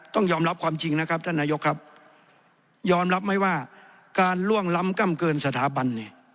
ต้องยอมรับความจริงนะครับท่านนายกครับยอมรับไหมว่าการล่วงล้ำกล้ำเกินสถาบันเนี่ย